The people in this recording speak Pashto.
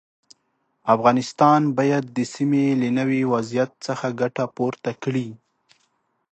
افغانستان باید د سیمې له نوي وضعیت څخه ګټه پورته کړي.